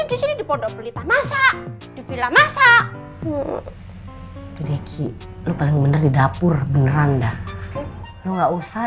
di sini di pondok pelita masa di vila masa deki lu paling bener di dapur beneran dah lu nggak usah